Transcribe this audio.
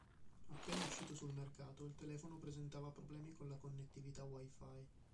Appena uscito sul mercato il telefono presentava problemi con la connettività Wi-Fi.